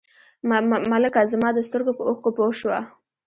ملکه زما د سترګو په اوښکو پوه شوه.